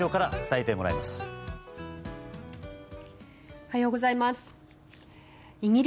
おはようございます。